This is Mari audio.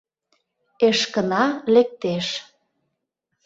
Эшкына лектеш.